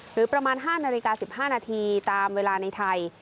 หรือประมาณ๕นาฬิกา๑๕นาทีตามเวลาในไทย